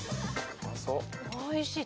おいしい。